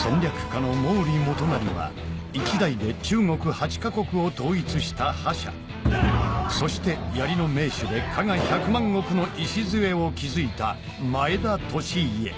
家の毛利元就は一代で中国８か国を統一した覇者そして槍の名手で加賀百万石の礎を築いた前田利家